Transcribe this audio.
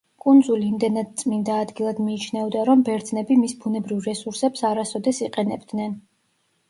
კუნძული იმდენად წმინდა ადგილად მიიჩნეოდა, რომ ბერძნები მის ბუნებრივ რესურსებს არასოდეს იყენებდნენ.